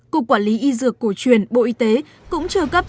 cục quản lý y dược cổ truyền bộ y tế cũng chưa cấp